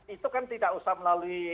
itu kan tidak usah melalui